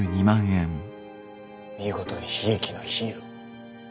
見事に悲劇のヒーロー。